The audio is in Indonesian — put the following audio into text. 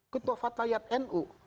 ketua fatlayat nu